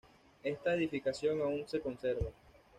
Esta edificación aún se conserva.